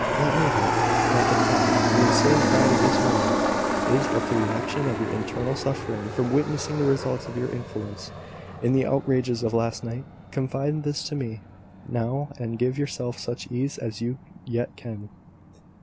Let me hope, that the pride, the insane pride of this morning, is but the reaction of your internal suffering from witnessing the results of your influence in the outrages of last night. Confide this to me now, and give yourself such ease as you yet can."